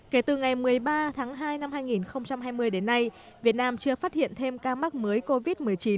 kể từ ngày một mươi ba tháng hai năm hai nghìn hai mươi đến nay việt nam chưa phát hiện thêm ca mắc mới covid một mươi chín